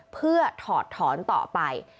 เพื่อถอดถอนต่อไป